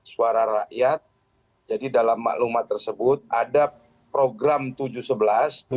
suara rakyat jadi dalam maklumat tersebut ada program tujuh sebelas tujuh agenda kebangsaan dan